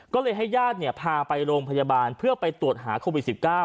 ก็เลยให้ญาติพาไปโรงพยาบาลเพื่อไปตรวจหาโควิด๑๙